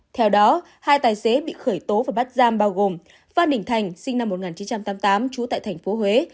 theo đó hai tài xế bị khởi tố và bắt giam bao gồm phan đình thành sinh năm một nghìn chín trăm tám mươi tám trú tại tp huế